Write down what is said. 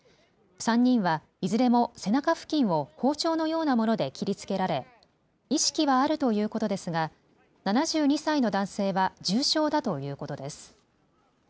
３人はいずれも背中付近を包丁のようなもので切りつけられ意識はあるということですが７２歳の男性は重傷だということです。